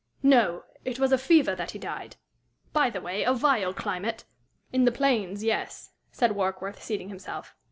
No, it was of fever that he died. By the way, a vile climate!" "In the plains, yes," said Warkworth, seating himself.